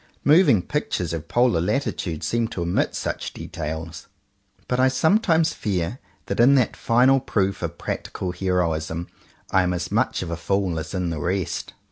Moving Pictures of polar latitudes seem to omit such details; but I sometimes fear that in that final proof of practical heroism I am as much of a fool as in the rest.